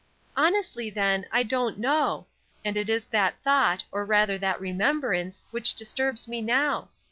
"Honestly, then, I don't know; and it is that thought, or rather that remembrance, which disturbs me now.